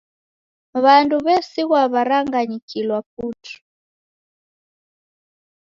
W'andu w'esighwa w'aranganyikilwa putu.